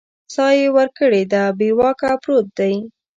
ساه یې ورکړې ده بې واکه پروت دی